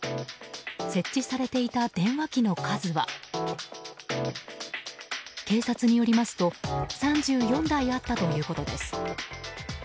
設置されていた電話機の数は警察によりますと３４台あったということです。